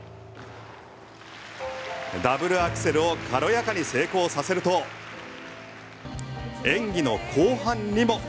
ダブルアクセルを軽やかに成功させると演技の後半にも。